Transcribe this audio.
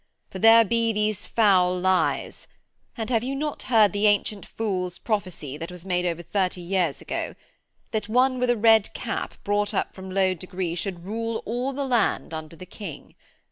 For there be these foul lies and have you not heard the ancient fool's prophecy that was made over thirty years ago: "That one with a Red Cap brought up from low degree should rule all the land under the King.